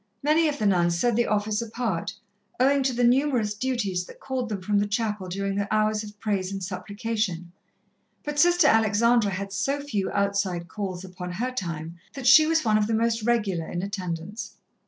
Many of the nuns said the Office apart, owing to the numerous duties that called them from the chapel during the hours of praise and supplication, but Sister Alexandra had so few outside calls upon her time that she was one of the most regular in attendance.